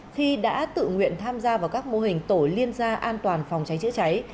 khi đã tự nguyện tham gia vào các mô hình tổ liên gia an toàn phòng cháy chữa cháy